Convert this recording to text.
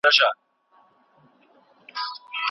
موږ باید خپله داستاني اثر په غور وڅېړو.